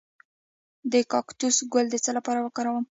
د کاکتوس ګل د څه لپاره وکاروم؟